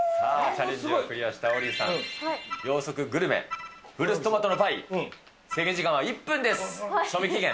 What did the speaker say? チャレンジをクリアした王林さん、秒速グルメ、フルーツトマトのパイ、制限時間は１分です、賞味期限。